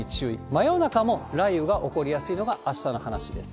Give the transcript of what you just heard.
真夜中も雷雨が起こりやすいのがあしたの話です。